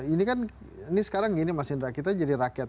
ini kan ini sekarang gini mas indra kita jadi rakyat